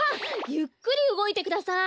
ゆっくりうごいてください！